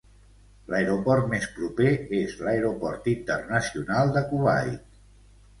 L'aeroport més proper és l'Aeroport Internacional de Kuwait.